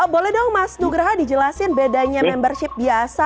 boleh dong mas nugraha dijelasin bedanya membership biasa